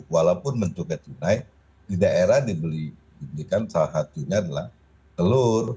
walaupun bentuknya tunai di daerah dibelikan salah satunya adalah telur